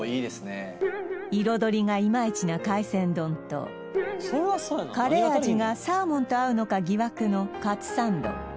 彩りがイマイチな海鮮丼とカレー味がサーモンと合うのか疑惑のカツサンド